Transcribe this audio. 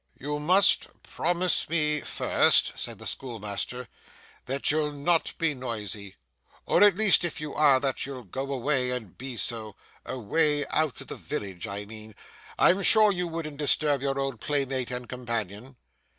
'You must promise me first,' said the schoolmaster, 'that you'll not be noisy, or at least, if you are, that you'll go away and be so away out of the village I mean. I'm sure you wouldn't disturb your old playmate and companion.